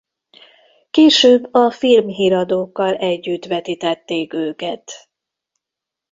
Később a filmhíradókkal együtt vetítették őket.